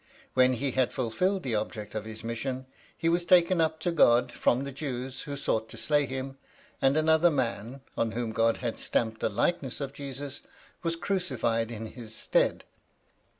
When he had fulfilled the object of his mission, he was taken up to God from the Jews who sought to slay him, and another man, on whom God had stamped the likeness of Jesus, was crucified in his stead.